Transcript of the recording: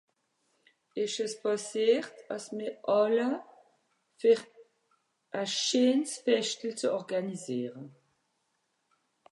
es esch pàssiert àss mì àlle ver à scheens feschtel zu òrganiseere